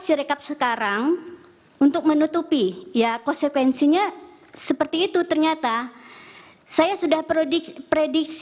sirekap sekarang untuk menutupi ya konsekuensinya seperti itu ternyata saya sudah prediksi prediksi